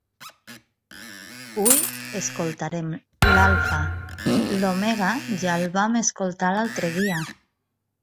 Hui escoltarem l'alfa. L'omega ja el vam escoltar l'altre dia.